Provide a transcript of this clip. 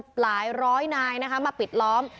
หลายร้อยนายนะคะมาปิดล้อม